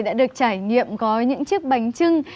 đã được trải nghiệm gói những chiếc bánh trưng